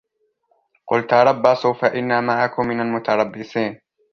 قُلْ تَرَبَّصُوا فَإِنِّي مَعَكُم مِّنَ الْمُتَرَبِّصِينَ